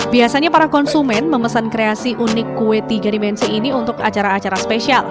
biasanya para konsumen memesan kreasi unik kue tiga dimensi ini untuk acara acara spesial